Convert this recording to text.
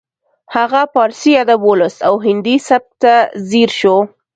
هغه پارسي ادب ولوست او هندي سبک ته ځیر شو